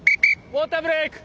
ウォーターブレーク。